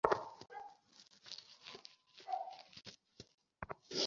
তার ওপরে ফোটা লাল লাল বনফুল দুর থেকে কপালের টিপের মতোই দেখাচ্ছে।